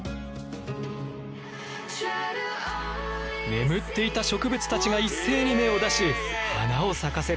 眠っていた植物たちが一斉に芽を出し花を咲かせる。